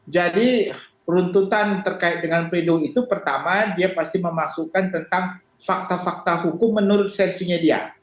jadi peruntutan terkait dengan pledoi itu pertama dia pasti memasukkan tentang fakta fakta hukum menurut versinya dia